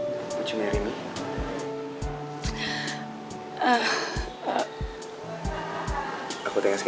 bigotnya kamu bekerja serah satu